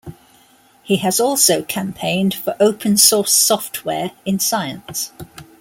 He has also campaigned for open-source software in science.